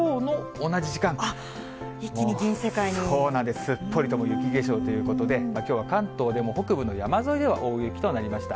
すっぽりともう雪化粧ということで、きょうは関東でも北部の山沿いでは大雪となりました。